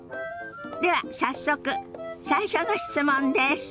では早速最初の質問です。